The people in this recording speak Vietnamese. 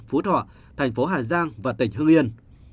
phú thọ thành phố hà giang và tỉnh hương yên